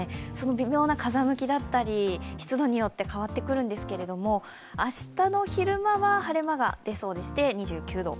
微妙な風向きだったり、湿度によって変わってくるんですけど明日の昼間は、晴れ間が出そうでして、２９度。